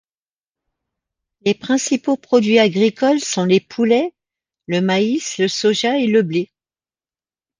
Les principaux produits agricoles sont les poulets, le maïs, le soja et le blé.